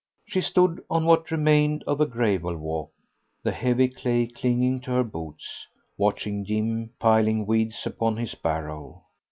She stood on what remained of a gravel walk, the heavy clay clinging to her boots, watching Jim piling weeds upon his barrow.